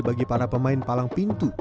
bagi para pemain palang pintu